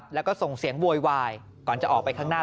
แล้วก็ส่งเสียงโวยวายก่อนจะออกไปข้างหน้า